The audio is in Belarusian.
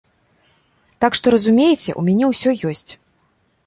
Так што разумееце, у мяне ўсё ёсць.